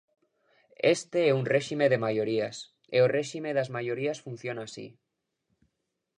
Este é un réxime de maiorías, e o réxime das maiorías funciona así.